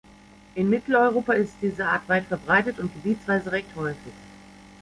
In Mitteleuropa ist diese Art weit verbreitet und gebietsweise recht häufig.